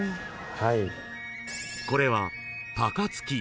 はい。